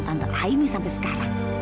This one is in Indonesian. tante aini sampai sekarang